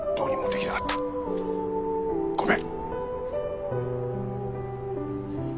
ごめん。